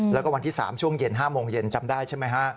แล้วก็วันที่๓ช่วงเย็น๕โมงเย็นจำได้ใช่ไหมฮะ